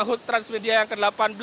hood transmedia yang ke delapan belas